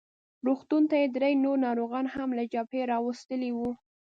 روغتون ته یې درې نور ناروغان هم له جبهې راوستلي وو.